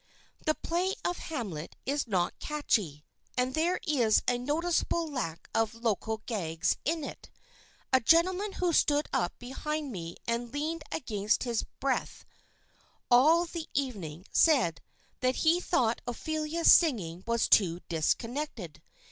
The play of "Hamlet" is not catchy, and there is a noticeable lack of local gags in it. A gentleman who stood up behind me and leaned against his breath all the evening said that he thought Ophelia's singing was too disconnected.